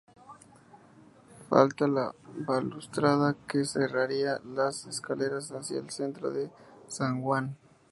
Falta la balaustrada que cerraría las escaleras hacia el centro del zaguán.